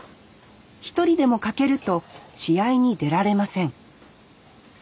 一人でも欠けると試合に出られません。